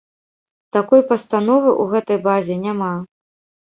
Такой пастановы ў гэтай базе няма.